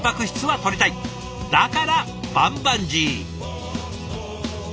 だからバンバンジー。